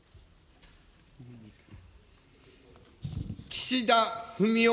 岸田文雄